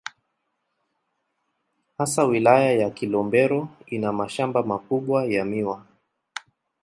Hasa Wilaya ya Kilombero ina mashamba makubwa ya miwa.